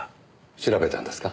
調べたんですか？